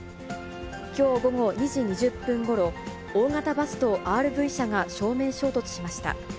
きょう午後２時２０分ごろ、大型バスとＲＶ車が正面衝突しました。